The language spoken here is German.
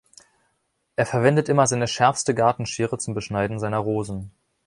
Er verwendet immer seine schärfste Gartenschere zum Beschneiden seiner Rosen.